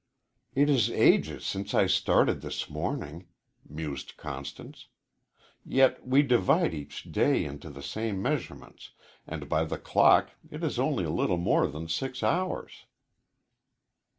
"It is ages since I started this morning," mused Constance. "Yet we divide each day into the same measurements, and by the clock it is only a little more than six hours."